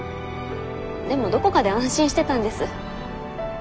でもどこかで安心してたんです。